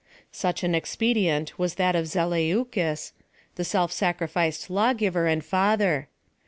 Such an expedient was that of Zeleucus, the self sacrificed lawgiver and father.